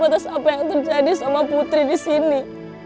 atas apa yang terjadi sama putri disini